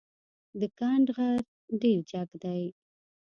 د کند غر ډېر جګ دی.